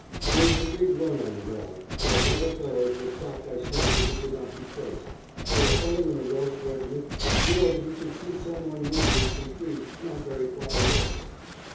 There was a big run on the well, and a lot of fellows were shot by snipers who could not be traced, till a fellow in a Welsh regiment swore that he could see some one moving in some trees not very far away.